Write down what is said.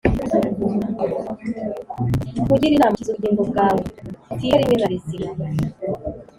nkugire inama Kiza ubugingo bwawe bipfire rimwe na rizima